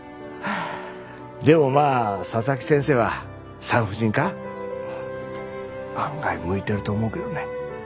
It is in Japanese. でもまあ佐々木先生は産婦人科案外向いてると思うけどね。